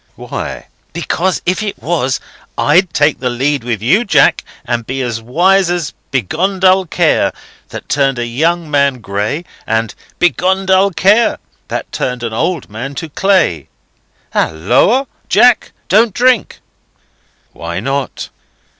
"Why?" "Because if it was, I'd take the lead with you, Jack, and be as wise as Begone, dull Care! that turned a young man gray, and Begone, dull Care! that turned an old man to clay.—Halloa, Jack! Don't drink." "Why not?"